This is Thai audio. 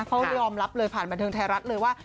เขายอมรับเลยผ่านบันเทิงไทยรัฐเลยว่า